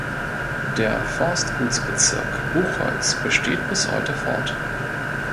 Der Forstgutsbezirk Buchholz besteht bis heute fort.